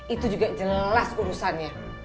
itu juga jelas urusannya